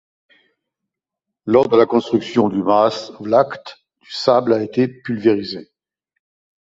Lors de la construction du Maasvlakte du sable a été pulvérisé.